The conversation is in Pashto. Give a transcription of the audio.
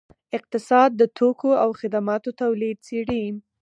اقتصاد د توکو او خدماتو تولید څیړي.